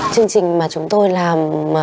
chương trình mà chúng tôi làm